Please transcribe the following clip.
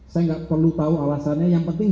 saya nggak perlu tahu alasannya yang penting